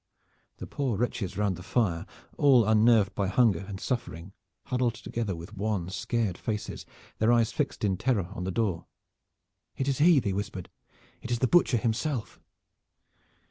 The poor wretches round the fire, all unnerved by hunger and suffering, huddled together with wan, scared faces, their eyes fixed in terror on the door. "It is he!" they whispered. "It is the Butcher himself!"